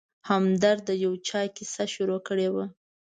همدرد د یو چا کیسه شروع کړې وه.